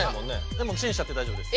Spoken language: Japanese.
でもチンしちゃって大丈夫です。